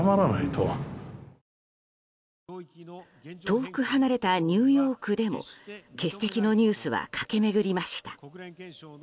遠く離れたニューヨークでも欠席のニュースは駆け巡りました。